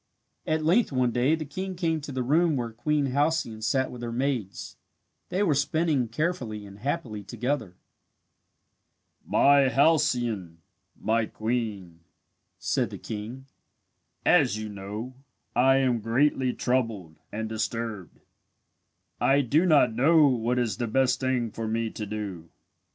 At length one day the king came to the room where Queen Halcyone sat with her maids. They were spinning carefully and happily together. "My Halcyone my queen," said the king, "as you know, I am greatly troubled and disturbed. I do not know what is the best thing for me to do.